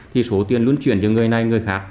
thì số tiền luôn chuyển cho người này người khác